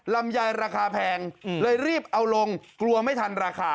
ลำไยราคาแพงเลยรีบเอาลงกลัวไม่ทันราคา